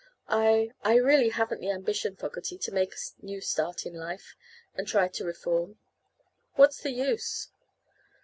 I I really haven't the ambition, Fogerty, to make a new start in life, and try to reform. What's the use?"